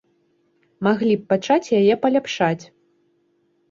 Маглі б пачаць яе паляпшаць.